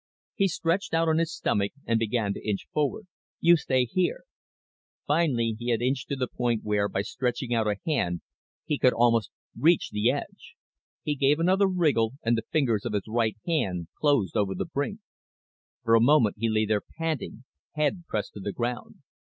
He stretched out on his stomach and began to inch forward. "You stay there." Finally he had inched to a point where, by stretching out a hand, he could almost reach the edge. He gave another wriggle and the fingers of his right hand closed over the brink. For a moment he lay there, panting, head pressed to the ground.